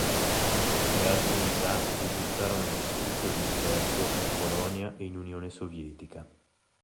Le altre unità risultarono distrutte o disperse in Polonia e in Unione Sovietica.